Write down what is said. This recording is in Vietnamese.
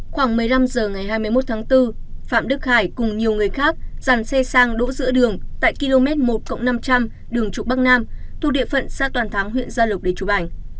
khoảng một mươi năm h ngày hai mươi một tháng bốn phạm đức hải cùng nhiều người khác dàn xe sang đỗ giữa đường tại km một năm trăm linh đường trục bắc nam thuộc địa phận xã toàn thắng huyện gia lộc để chụp ảnh